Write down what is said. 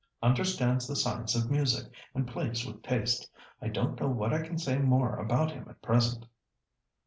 Understands the science of music, and plays with taste. I don't know that I can say more about him at present."